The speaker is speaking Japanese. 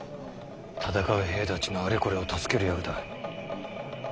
戦う兵たちのあれこれを助ける役だ。